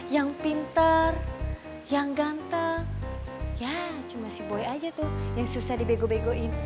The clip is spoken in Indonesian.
yang pintar yang ganteng ya cuma si boy aja tuh yang susah dibego begoin